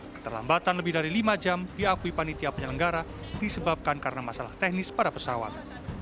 keterlambatan lebih dari lima jam diakui panitia penyelenggara disebabkan karena masalah teknis pada pesawat